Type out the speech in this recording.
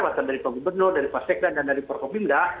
wacana dari pak gubernur pak sekretar dan dari pak komimda